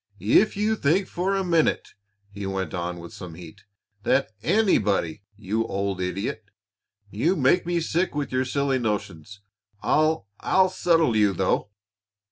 "If you think for a minute," he went on with some heat, "that anybody You old idiot! You make me sick with your silly notions. I'll I'll settle you, though."